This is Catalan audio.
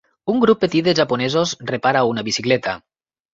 Un grup petit de japonesos repara una bicicleta.